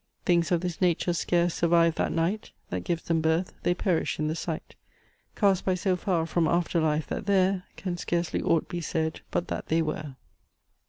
Things of this nature scarce survive that night That gives them birth; they perish in the sight; Cast by so far from after life, that there Can scarcely aught be said, but that they were!